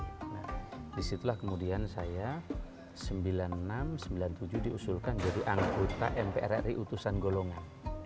nah disitulah kemudian saya seribu sembilan ratus sembilan puluh enam seribu sembilan ratus sembilan puluh tujuh diusulkan jadi anggota mprri utusan golongan